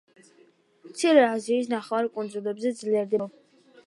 მცირე აზიის ნახევარკუნძულზე ძლიერდება ფრიგიის სამეფო.